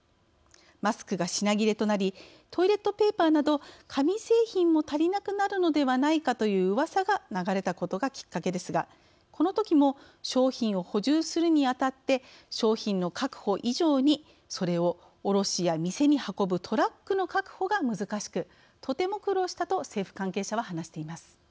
マスクが品切れとなりトイレットペーパーなど紙製品も足りなくなるのではないかといううわさが流れたことがきっかけですが、このときも商品を補充するにあたって商品の確保以上にそれを卸や店に運ぶトラックの確保が難しくとても苦労したと政府関係者は話しています。